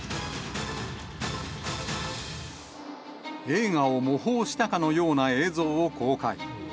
映画を模倣したかのような映像を公開。